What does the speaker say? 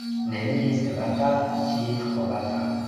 Nenie semata, ĉie trovata.